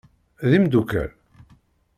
D imdukal?